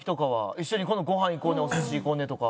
一緒に今度ご飯行こうねお寿司行こうねとか。